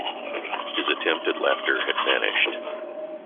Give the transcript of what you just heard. His attempt at laughter had vanished.